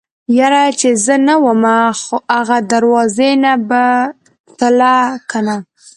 يره چې زه نه ومه خو اغه دروازې نه به تله کنه.